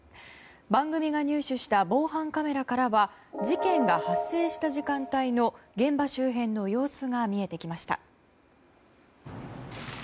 番組で入手した防犯カメラからは事件が発生した時間帯の現場周辺の様子が見えてきました。